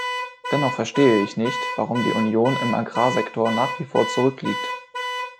Dennoch verstehe ich nicht, warum die Union im Agrarsektor nach wie vor zurückliegt.